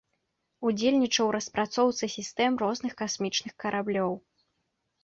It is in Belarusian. Удзельнічаў у распрацоўцы сістэм розных касмічных караблёў.